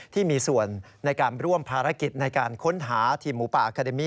ที่มีส่วนในการร่วมภารกิจในการค้นหาทีมหมูป่าอาคาเดมี่